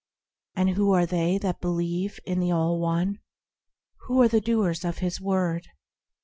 And who are they that believe in the All One? Who are the doers of His Word